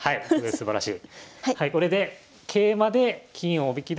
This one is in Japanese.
すばらしい。